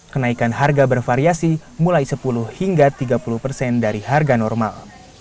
kenaikan harga bervariasi mulai sepuluh hingga tiga puluh persen dari harga normal